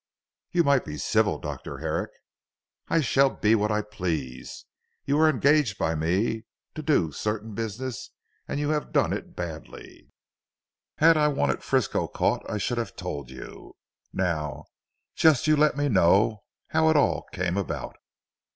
"You might be civil Dr. Herrick." "I shall be what I please. You were engaged by me to do certain business, and you have done it badly. Had I wanted Frisco caught I should have told you. Now just you let me know, how it all came about."